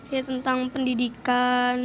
ya tentang pendidikan